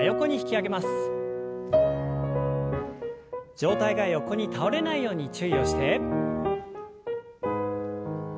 上体が横に倒れないように注意をして。